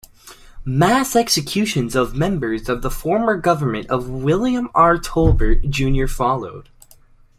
Mass executions of members of the former government of William R. Tolbert, Junior followed.